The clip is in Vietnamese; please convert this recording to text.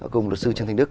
cùng luật sư trần thành đức